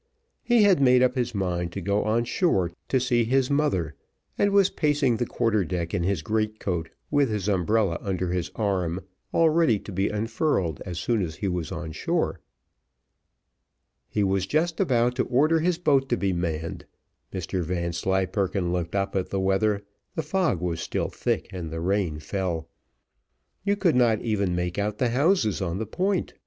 He had made up his mind to go on shore to see his mother, and was pacing the quarter deck in his great coat, with his umbrella under his arm, all ready to be unfurled as soon as he was on shore. He was just about to order his boat to be manned: Mr Vanslyperken looked up at the weather the fog was still thick, and the rain fell. You could not even make out the houses on the point.